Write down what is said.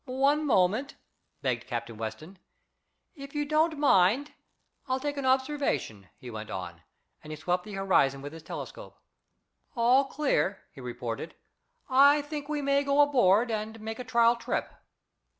"One moment," begged Captain Weston. "If you don't mind, I'll take an observation," he went on, and he swept the horizon with his telescope. "All clear," he reported. "I think we may go aboard and make a trial trip."